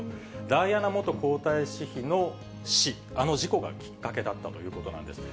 ダイアナ元皇太子妃の死、あの事故がきっかけだったんですね。